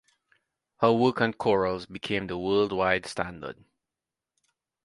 Her work on corals became the worldwide standard.